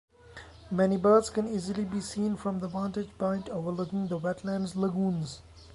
Many birds can easily be seen from the vantage points overlooking the wetland's lagoons.